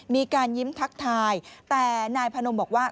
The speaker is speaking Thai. มีการยิ้มทักทายแต่นายพนมบอกว่า